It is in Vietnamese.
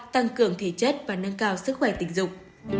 tăng cường thể chất và nâng cao sức khỏe tình dục